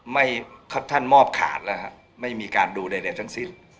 ไม่ว่าท่านเหมาพ์ขาดแล้วไม่มีการดูใดตั้งสิ้น